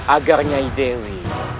agar nyai dewi